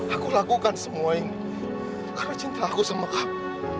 aku lakukan semua ini karena cinta aku sama kamu